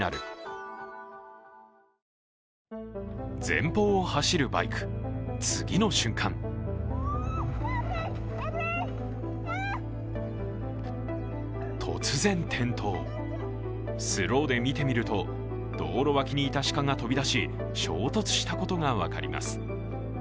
前方を走るバイク、次の瞬間突然転倒、スローで見てみると、道路脇にいた鹿が飛び出し、衝突したことが分かります。